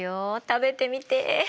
食べてみて。